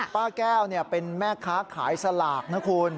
ป้าแก้วเป็นแม่ค้าขายสลากนะคุณ